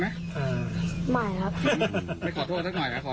แล้วเขาเห็นพ่อก่อน